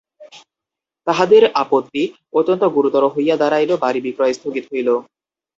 তাহাদের আপত্তি অত্যন্ত গুরুতর হইয়া দাঁড়াইল, বাড়ি বিক্রয় স্থগিত হইল।